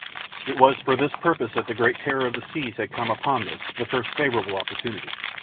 It was for this purpose that the great terror of the seas had come upon this, the first favorable opportunity.